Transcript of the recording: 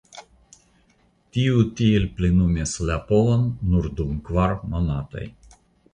Tiu tiel plenumis la povon nur dum kvar monatoj.